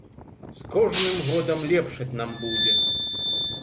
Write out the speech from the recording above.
З кожным годам лепшаць нам будзе.